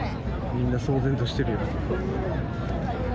みんな騒然としてるよ。